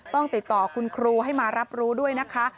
ต้องติดต่อคุณครูให้มารับรู้ด้วยนะคะ